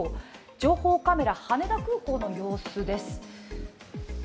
情報カメラ、羽田空港の様子です。